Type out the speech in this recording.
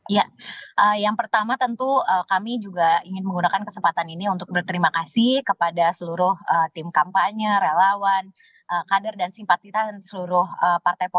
ya yang pertama tentu kami juga ingin menggunakan kesempatan ini untuk berterima kasih kepada seluruh tim kampanye relawan kader dan simpatitan seluruh partai politik